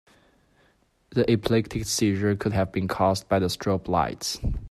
The epileptic seizure could have been cause by the strobe lights.